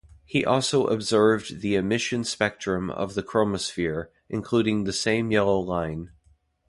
He also observed the emission spectrum of the chromosphere, including the same yellow line.